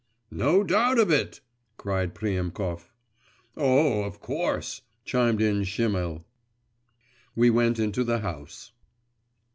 'No doubt of it!' cried Priemkov. 'Oh, of course!' chimed in Schimmel. We went into the house.